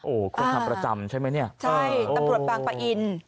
โอ้โหคนทำประจำใช่ไหมเนี่ยใช่ตำรวจบางปะอิน